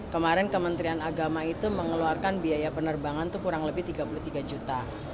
kemarin kementerian agama itu mengeluarkan biaya penerbangan itu kurang lebih tiga puluh tiga juta